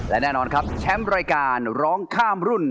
และแน่นอนครับแชมป์รายการร้องข้ามรุ่น